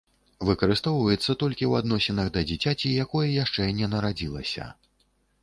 Выкарыстоўваецца толькі ў адносінах да дзіцяці, якое яшчэ не нарадзілася.